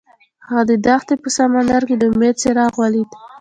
هغه د دښته په سمندر کې د امید څراغ ولید.